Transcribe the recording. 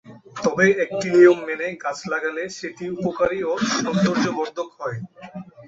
তবে একটি নিয়ম মেনে গাছ লাগালে সেটি উপকারী ও সৌন্দর্যবর্ধক হয়।